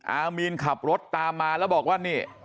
อามีนขับรถตามมาแล้วบอกว่านี่